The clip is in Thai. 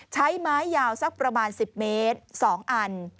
ใช้ไม้ยาวสักประมาณ๑๐เมตร๒อัน